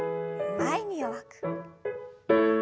前に弱く。